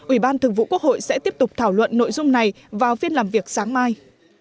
ủy ban thường vụ quốc hội sẽ tiếp tục thảo luận nội dung này vào phiên làm việc sáng mai